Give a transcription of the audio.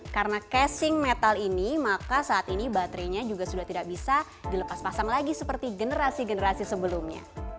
karena casing metal ini maka saat ini baterainya juga sudah tidak bisa dilepas pasang lagi seperti generasi generasi sebelumnya